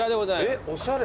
えっおしゃれ。